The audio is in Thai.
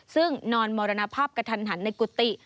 ซึ่งนอนมรณภาพกระทันหันในกุฏิ